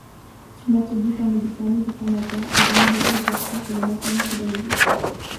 L'atelier permet de former des formateurs, et d'améliorer les approches et lematériel pédagogique.